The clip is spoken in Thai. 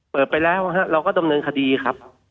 เปิดไปแล้วเราก็ดำเนินคดีครับ